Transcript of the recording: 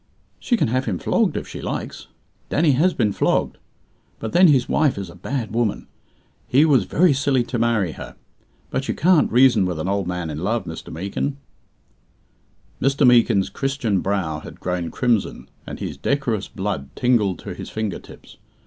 "She can have him flogged if she likes. Danny has been flogged. But then his wife is a bad woman. He was very silly to marry her; but you can't reason with an old man in love, Mr. Meekin." Mr. Meekin's Christian brow had grown crimson, and his decorous blood tingled to his finger tips.